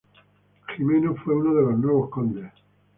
Jimeno fue uno de los nuevos condes.